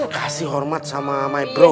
kasih hormat sama my bro